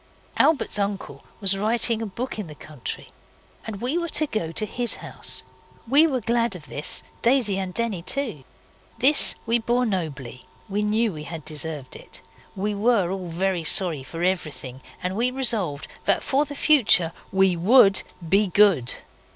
Albert's uncle was writing a book in the country; we were to go to his house. We were glad of this Daisy and Denny too. This we bore nobly. We knew we had deserved it. We were all very sorry for everything, and we resolved that for the future we WOULD be good.